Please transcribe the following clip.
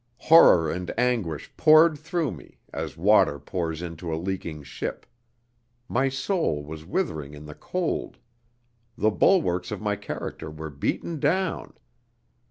Horror and anguish poured through me, as water pours into a leaking ship. My soul was withering in the cold. The bulwarks of my character were beaten down.